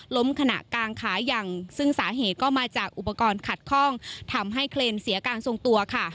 ขณะกางขายังซึ่งสาเหตุก็มาจากอุปกรณ์ขัดคล่องทำให้เคลนเสียการทรงตัวค่ะ